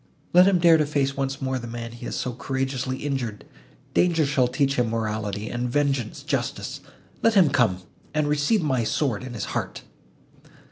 Let him dare to face once more the man he has so courageously injured; danger shall teach him morality, and vengeance justice—let him come, and receive my sword in his heart!"